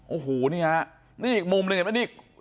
โอ้โหเนี่ยนี่อีกมุมเลยเห็นมั้ย